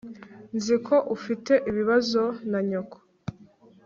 nzi ko ufite ibibazo na nyoko